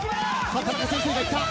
田中先生がいった。